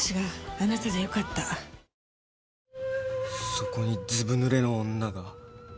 そこにずぶぬれの女が。